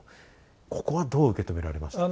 ここはどう受け止められましたか？